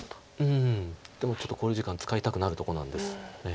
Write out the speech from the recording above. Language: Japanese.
でもちょっと考慮時間使いたくなるとこなんです。